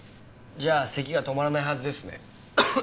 じゃあ咳が止まらないはずですね。